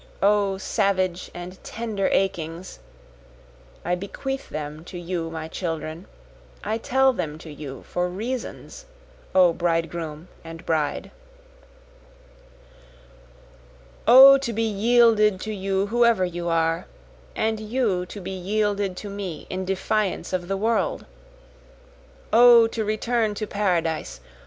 O savage and tender achings! (I bequeath them to you my children, I tell them to you, for reasons, O bridegroom and bride.) O to be yielded to you whoever you are, and you to be yielded to me in defiance of the world! O to return to Paradise!